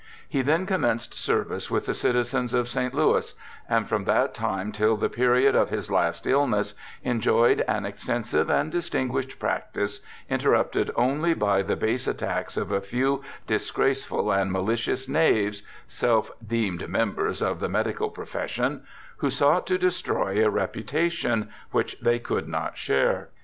He then commenced service with the citizens of St. Louis, and from that time till the period of his last illness, enjoyed an extensive and distinguished practice, interrupted only by the base attacks of a few disgraceful and malicious knaves (self deemed members of the medical profession) who sought to destroy a reputa t82 biographical ESSAYS tion which they could not share.